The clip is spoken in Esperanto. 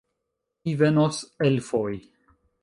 Mi venos elfoj